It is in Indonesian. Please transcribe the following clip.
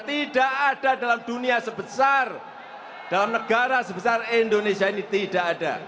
tidak ada dalam dunia sebesar dalam negara sebesar indonesia ini tidak ada